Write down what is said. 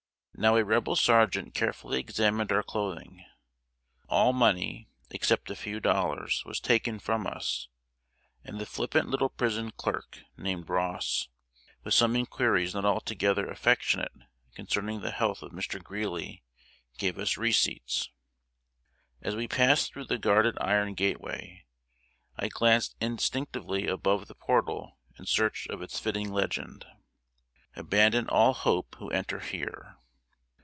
Now a Rebel sergeant carefully examined our clothing. All money, except a few dollars, was taken from us, and the flippant little prison clerk, named Ross, with some inquiries not altogether affectionate concerning the health of Mr. Greeley, gave us receipts. As we passed through the guarded iron gateway, I glanced instinctively above the portal in search of its fitting legend: "Abandon all hope who enter here."